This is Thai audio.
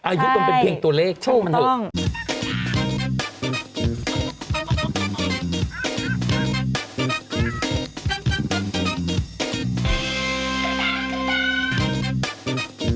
ไอ้คนเป็นเพียงตัวเลขช่วยมันเลย